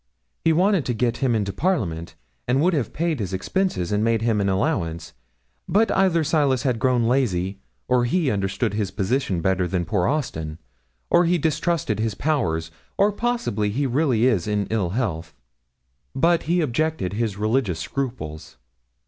He wanted to get him into Parliament, and would have paid his expenses, and made him an allowance; but either Silas had grown lazy, or he understood his position better than poor Austin, or he distrusted his powers, or possibly he really is in ill health; but he objected his religious scruples.